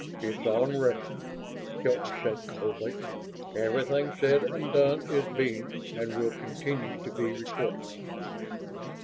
"It's on record," Hilton said, coldly. "Everything said and done is being, and will continue to be, recorded."